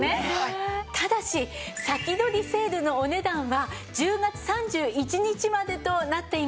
ただし先取りセールのお値段は１０月３１日までとなっています。